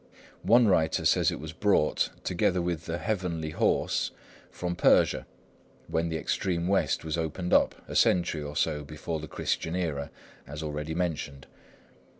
One writer says it was brought, together with the "heavenly horse," from Persia, when the extreme West was opened up, a century or so before the Christian era, as already mentioned.